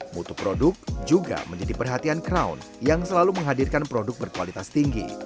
mutu produk juga menjadi perhatian crown yang selalu menghadirkan produk berkualitas tinggi